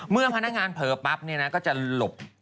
พนักงานเผลอปั๊บก็จะหลบ